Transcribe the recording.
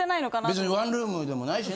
別にワンルームでもないしね。